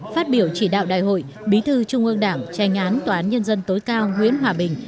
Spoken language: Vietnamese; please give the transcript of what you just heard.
phát biểu chỉ đạo đại hội bí thư trung ương đảng tranh án toán nhân dân tối cao nguyễn hòa bình